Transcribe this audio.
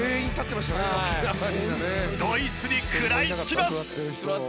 ドイツに食らいつきます。